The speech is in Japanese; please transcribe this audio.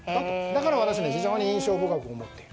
だから私、非常に印象